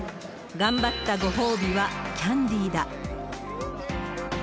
頑張ったご褒美はキャンディーだ。